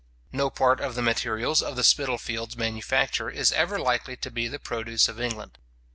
No part of the materials of the Spitalfields manufacture is ever likely to be the produce of England.